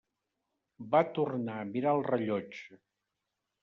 Va tornar a mirar el rellotge.